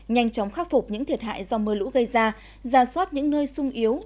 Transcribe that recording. nhanh chóng khắc phục những thiệt hại do mưa lũ gây ra ra soát những nơi sung yếu